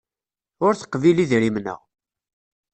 Ur teqbil idrimen-a.